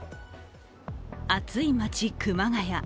暑い街・熊谷。